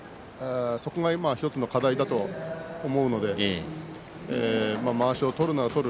そこが今、１つの課題だと思うのでまわしを取るなら取る